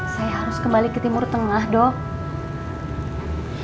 saya harus kembali ke timur tengah dok